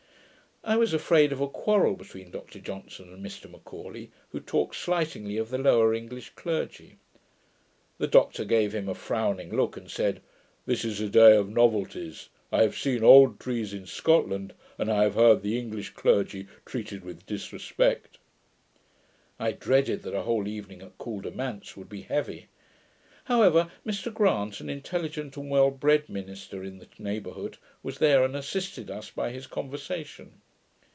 I was afraid of a quarrel between Dr Johnson and Mr M'Aulay, who talked slightingly of the lower English clergy. The Doctor gave him a frowning look, and said, 'This is a day of novelties: I have seen old trees in Scotland, and I have heard the English clergy treated with disrespect.' I dreaded that a whole evening at Caldermanse would be heavy; however, Mr Grant, an intelligent and well bred minister in the neighbourhood, was there, and assisted us by his conversation.